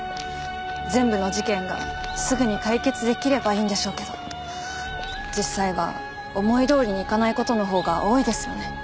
全部の事件がすぐに解決できればいいんでしょうけど実際は思いどおりにいかない事のほうが多いですよね。